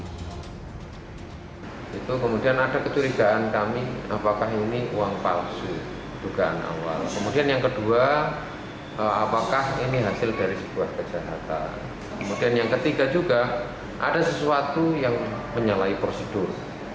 kemudian yang ketiga juga ada sesuatu yang menyalai prosedur